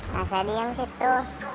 nah saya diem situ